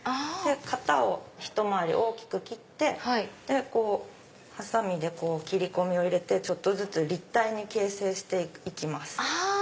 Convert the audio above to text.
型をひと回り大きく切ってハサミで切り込みを入れて立体に形成して行きます。